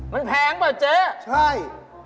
มันแพงป่ะเจ๊ใช่